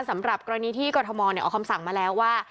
สำหรับกรณีที่กรทมออกคำสั่งมาแล้วว่า